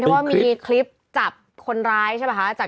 ที่ว่ามีคลิปจับคนร้ายใช่มั้ยคะ